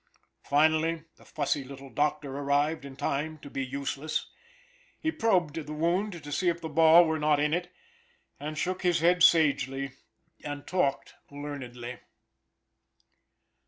Finally the fussy little doctor arrived, in time to be useless. He probed the wound to see if the ball were not in it, and shook his head sagely, and talked learnedly.